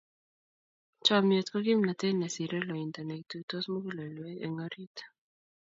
Chomnyet ko kimnatet ne sirei loindo, ne ituitos mugulelweek eng orit.